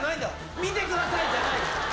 見てくださいじゃないの。